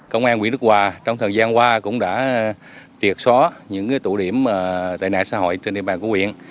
công an quyện đức hòa trong thời gian qua cũng đã triệt xóa những tụ điểm tệ nạn xã hội trên địa bàn của quyện